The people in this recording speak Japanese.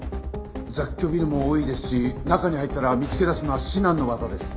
雑居ビルも多いですし中に入ったら見つけ出すのは至難の業です。